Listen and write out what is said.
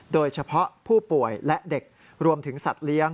โดยเฉพาะผู้ป่วยและเด็กรวมถึงสัตว์เลี้ยง